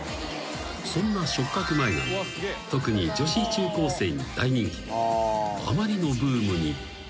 ［そんな触覚前髪は特に女子中高生に大人気であまりのブームに］